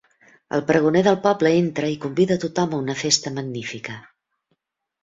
El pregoner del poble entra i convida tothom a una festa magnífica.